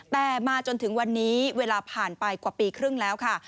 แต่มาจนถึงวันนี้เวลาผ่านไปกว่าปีครึ่งแล้วค่ะ